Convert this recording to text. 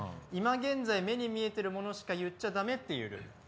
いま現在目に見えてるものしか言っちゃダメっていうルール。